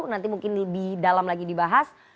nanti mungkin lebih dalam lagi dibahas